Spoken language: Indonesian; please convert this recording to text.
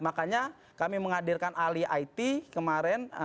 makanya kami menghadirkan ahli it kemarin